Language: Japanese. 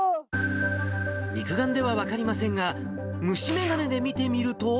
肉眼では分かりませんが、虫眼鏡で見てみると。